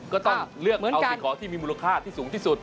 ก็ต้องเลือกเอาสิ่งของที่มีมูลค่าที่สูงที่สุด